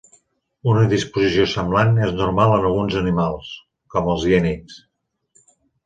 Una disposició semblant és normal en alguns animals, com en els hiènids.